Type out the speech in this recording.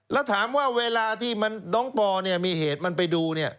แล้วถามว่าเวลาที่น้องปอเนี่ยมีเหตุมันไปดูเนี่ย